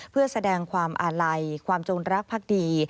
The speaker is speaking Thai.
เพื่อแสดงความอาลัยความจงรักพักดี